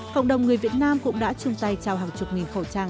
cộng đồng người việt nam cũng đã chung tay trao hàng chục nghìn khẩu trang